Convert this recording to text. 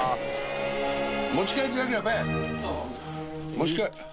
持ち帰り。